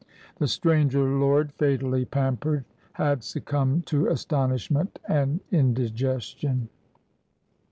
The stranger lord, fatally pampered, had succumbed to astonishment and indiges tion.